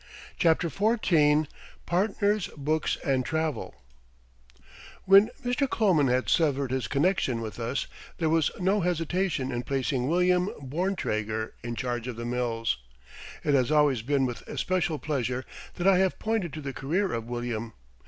"] CHAPTER XIV PARTNERS, BOOKS, AND TRAVEL When Mr. Kloman had severed his connection with us there was no hesitation in placing William Borntraeger in charge of the mills. It has always been with especial pleasure that I have pointed to the career of William.